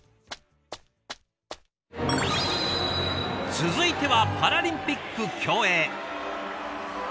続いてはパラリンピック競泳。